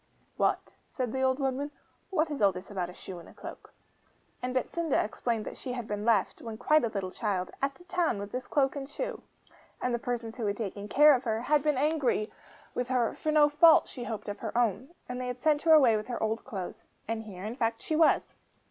'What,' said the old woodman, 'what is all this about a shoe and a cloak?' And Betsinda explained that she had been left, when quite a little child, at the town with this cloak and this shoe. And the persons who had taken care of her had had been angry with her, for no fault, she hoped, of her own. And they had sent her away with her old clothes and here, in fact, she was.